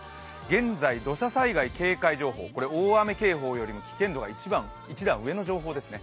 現在、土砂災害警戒情報、これ大雨警報よりも危険度が一段上の情報ですね。